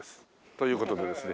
という事でですね